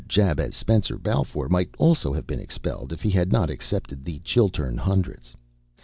Jabez Spencer Balfour might also have been expelled, if he had not accepted the Chiltern Hundreds.